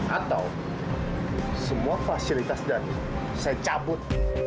atau semua fasilitas dan saya cabut